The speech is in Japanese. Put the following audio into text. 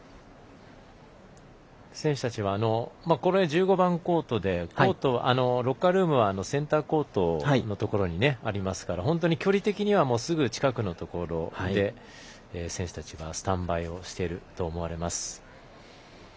ここは１５番コートでロッカールームはセンターコートのところにありますから、本当に距離的にはすごく近くのところで選手たちスタンバイをしていると思われます。